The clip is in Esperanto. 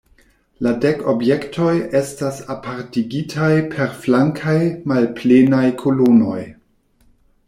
La dek objektoj estas apartigitaj per flankaj malplenaj kolonoj.